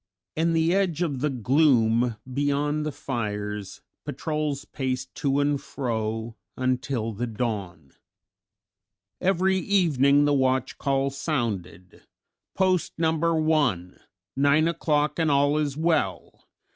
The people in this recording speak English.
In the edge of the gloom beyond the fires, patrols paced to and fro until the dawn. Every evening the watch call sounded, "Post number one, nine o'clock and all is well."